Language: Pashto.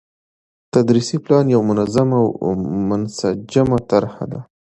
تدريسي پلان يو منظم او منسجمه طرحه ده،